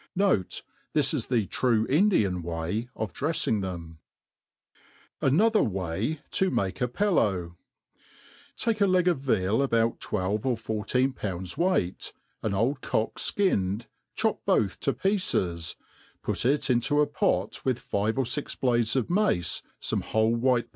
N<)te, Tbi^ is the true Indian way of dreflng theiSf 4n§thi(r Wia^ to msie a PelUw* TAKE a kg of Veal abodt twelve or fourteen pounds weiglit^ 011 old cock tinned, cho{> both to pieces, put it into a pot with five or fix blades of mace, fome whole w4kite*p!